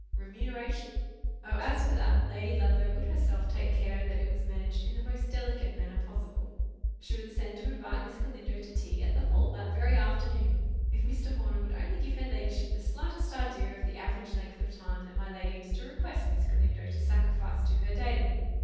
"Remuneration?" Oh! as for that, Lady Ludlow would herself take care that it was managed in the most delicate manner possible. She would send to invite Miss Galindo to tea at the Hall that very afternoon, if Mr. Horner would only give her ladyship the slightest idea of the average length of time that my lady was to request Miss Galindo to sacrifice to her daily.